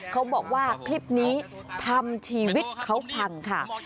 เขาบอกว่าคลิปนี้ทำชีวิตเขาพังค่ะ